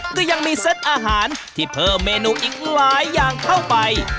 ก็ยังมีเซตอาหารที่เพิ่มเมนูอีกหลายอย่างเข้าไป